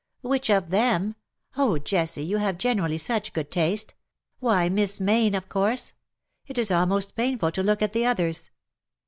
^^ Which of them ! Oh, Jessie, you have gene rally such good taste. Why, Miss Mayne, of course. It is almost painful to look at the others.